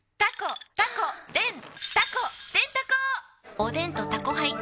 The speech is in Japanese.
おでんと「タコハイ」ん！